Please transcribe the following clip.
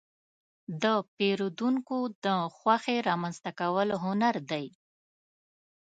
د پیرودونکو د خوښې رامنځته کول هنر دی.